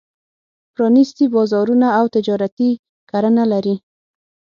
پرانېستي بازارونه او تجارتي کرنه لري.